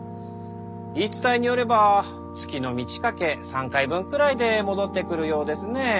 言い伝えによれば月の満ち欠け３回分くらいで戻ってくるようですねェー。